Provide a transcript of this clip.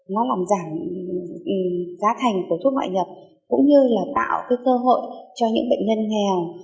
nó làm giảm giá thành của thuốc ngoại nhập cũng như là tạo cơ hội cho những bệnh nhân nghèo